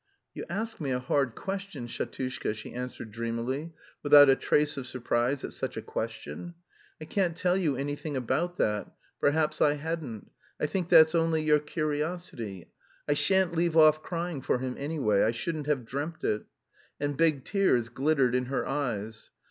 "You ask me a hard question, Shatushka," she answered dreamily, without a trace of surprise at such a question. "I can't tell you anything about that, perhaps I hadn't; I think that's only your curiosity. I shan't leave off crying for him anyway, I couldn't have dreamt it." And big tears glittered in her eyes.